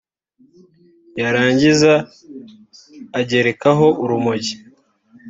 yarangiza agerekaho urumogi